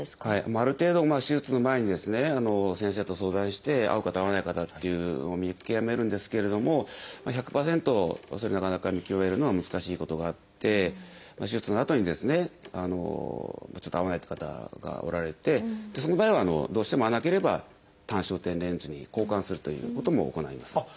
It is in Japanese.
ある程度手術の前にですね先生と相談して合う方合わない方っていうのを見極めるんですけれども１００％なかなか見極めるのは難しいことがあって手術のあとにですねちょっと合わないという方がおられてその場合はどうしても合わなければ単焦点レンズに交換するということも行います。